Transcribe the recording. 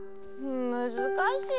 むずかしいよ。